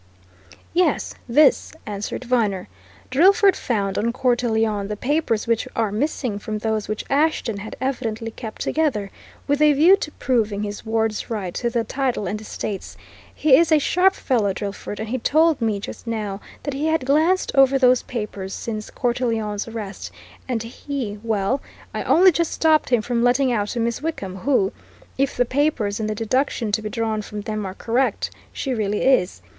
"Yes this," answered Viner. "Drillford found on Cortelyon the papers which are missing from those which Ashton had evidently kept together with a view to proving his ward's right to the title and estates. He is a sharp, fellow, Drillford, and he told me just now that he had glanced over those papers since Cortelyon's arrest, and he well, I only just stopped him from letting out to Miss Wickham who if the papers and the deduction to be drawn from them are correct she really is.